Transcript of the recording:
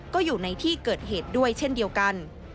ก็อยู่ในที่เกิดเหตุด้วยเช่นเดียวกัน